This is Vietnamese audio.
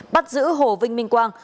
bắt giữ hồ vinh minh quang